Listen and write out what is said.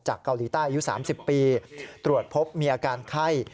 เกาหลีใต้อายุ๓๐ปีตรวจพบมีอาการไข้